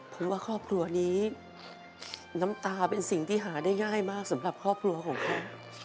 ผมว่าครอบครัวนี้น้ำตาเป็นสิ่งที่หาได้ง่ายมากสำหรับครอบครัวของเขา